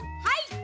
はい！